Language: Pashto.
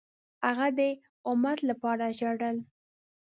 هغه د امت لپاره ژړل.